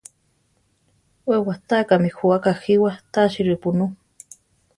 We watákami jú akajíwa, tasi ripunú.